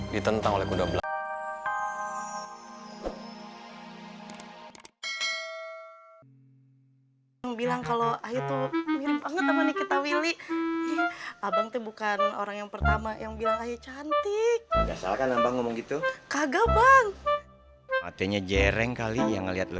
ditentang oleh kuda belakang